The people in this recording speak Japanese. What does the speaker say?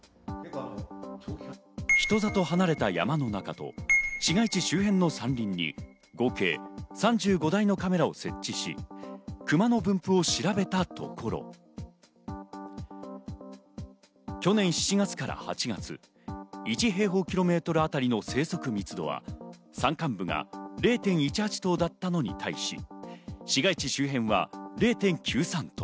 人里離れた山の中と市街地周辺の山林に合計３５台のカメラを設置し、クマの分布を調べたところ、去年７月から８月、１平方キロメートルあたりの生息密度は山間部が０．１８頭だったのに対し、市街地周辺は０．９３頭。